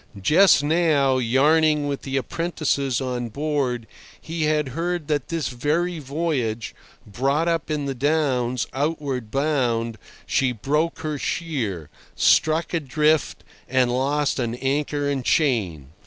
Just now, yarning with the apprentices on board, he had heard that this very voyage, brought up in the Downs, outward bound, she broke her sheer, struck adrift, and lost an anchor and chain.